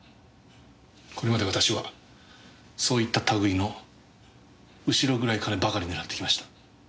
これまで私はそういった類の後ろ暗い金ばかり狙ってきました。